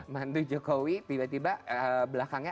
mandu jokowi tiba tiba belakangnya